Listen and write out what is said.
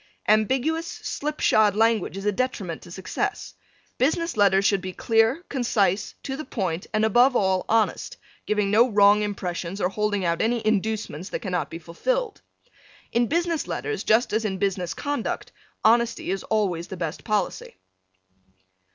Ambiguous, slip shod language is a detriment to success. Business letters should be clear, concise, to the point and, above all, honest, giving no wrong impressions or holding out any inducements that cannot be fulfilled. In business letters, just as in business conduct, honesty is always the best policy.